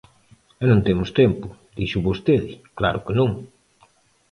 E non temos tempo, díxoo vostede, ¡claro que non!